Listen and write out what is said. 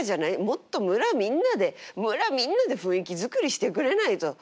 もっと村みんなで村みんなで雰囲気作りしてくれないと。